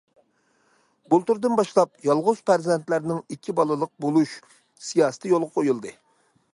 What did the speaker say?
بۇلتۇردىن باشلاپ‹‹ يالغۇز پەرزەنتلەرنىڭ ئىككى بالىلىق بولۇش›› سىياسىتى يولغا قويۇلدى.